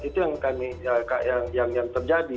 itu yang terjadi